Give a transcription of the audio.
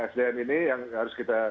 sdm ini yang harus kita